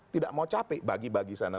tidak mau capek bagi bagi sana